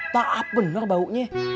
ta'ab benar baunya